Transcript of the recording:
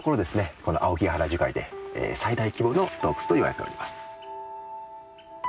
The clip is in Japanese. この青木ヶ原樹海で最大規模の洞窟といわれております。